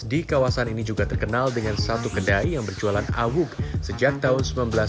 di kawasan ini juga terkenal dengan satu kedai yang berjualan awuk sejak tahun seribu sembilan ratus sembilan puluh